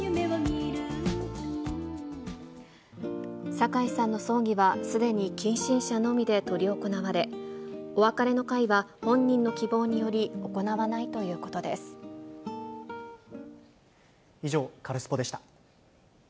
酒井さんの葬儀は、すでに近親者のみで執り行われ、お別れの会は本人の希望により、行わないとい以上、カルスポっ！でした。